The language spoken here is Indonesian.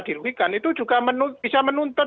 dirugikan itu juga bisa menuntut